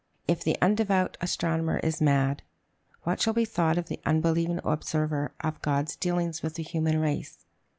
If the "undevout astronomer is mad," what shall be thought of the unbelieving observer of God's dealings with the human race?